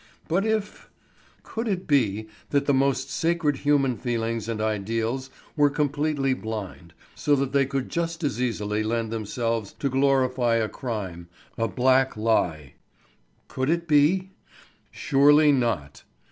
But if Could it be that the most sacred human feelings and ideals were completely blind, so that they could just as easily lend themselves to glorify a crime, a black lie? Could it be? Surely not!